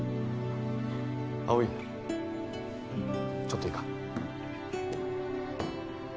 葵ちょっといいか？